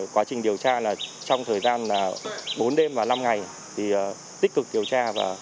quá trình điều tra trong thời gian bốn đêm và năm ngày thì tích cực điều tra